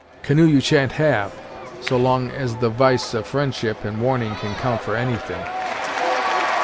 Canoe you sha'n't have, so long as the v'ice of fri'ndship and warning can count for any thing."